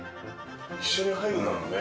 一緒に入るんだもんね。